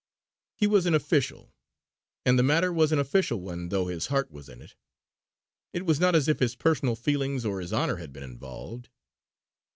He was an official, and the matter was an official one though his heart was in it; it was not as if his personal feelings or his honour had been involved.